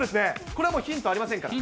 これは、もうヒントありませんから。